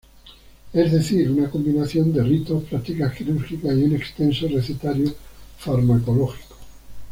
Es decir, una combinación de ritos, prácticas quirúrgicas y un extenso recetario farmacológico.